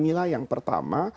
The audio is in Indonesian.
dan ini adalah ayat yang pertama